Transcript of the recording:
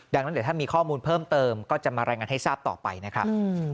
ดังนั้นเดี๋ยวถ้ามีข้อมูลเพิ่มเติมก็จะมารายงานให้ทราบต่อไปนะครับ